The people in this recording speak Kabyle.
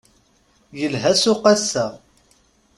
Yelha ssuq ass-a.